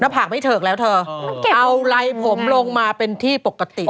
ผากไม่เถิกแล้วเธอเอาไรผมลงมาเป็นที่ปกติ